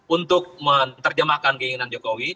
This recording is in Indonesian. untuk menerjemahkan keinginan jokowi